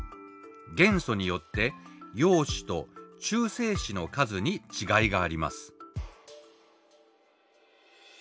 元素によって陽子と中性子の数に違いがあります。